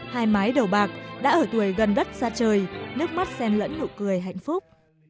hai mái đầu bạc đã ở tuổi gần đất xa trời nước mắt xen lẫn nụ cười hạnh phúc